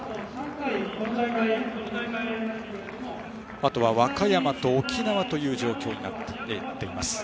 あとは和歌山と沖縄という状況になっています。